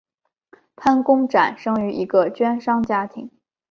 潘公展生于一个绢商家庭。